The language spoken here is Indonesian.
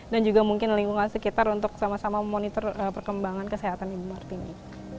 dan juga mungkin lingkungan sekitar untuk sama sama memonitor perkembangan kesehatan ibu martini